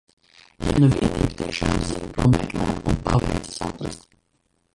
Ja nu vienīgi tiešām zini ko meklē un paveicas atrast.